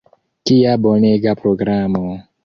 Kia bonega programo!